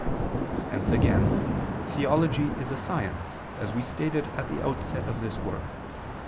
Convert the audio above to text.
Hence again, theology is a science, as we stated at the outset of this work (P.